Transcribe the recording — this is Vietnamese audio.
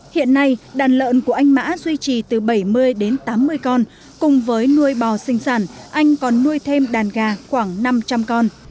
hiện nay đàn lợn của anh mã duy trì từ bảy mươi đến tám mươi con cùng với nuôi bò sinh sản anh còn nuôi thêm đàn gà khoảng năm trăm linh con